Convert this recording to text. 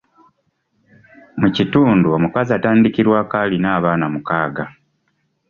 Mu kitundu, omukazi atandikirwako alina abaana mukaaga.